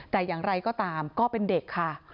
แต่อย่างไรก็ตามก็เป็นเด็กค่ะ